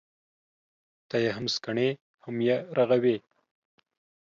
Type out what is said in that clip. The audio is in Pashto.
ته يې هم سکڼې ، هم يې رغوې.